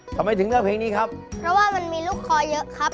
ทำไมถึงเลือกเพลงนี้ครับเพราะว่ามันมีลูกคอเยอะครับ